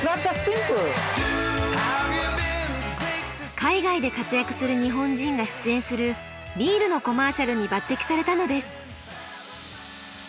海外で活躍する日本人が出演するビールのコマーシャルに抜擢されたのです。